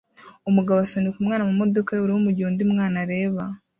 Umugabo asunika umwana mumodoka yubururu mugihe undi mwana areba